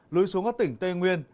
lối xuống các tỉnh tây nguyên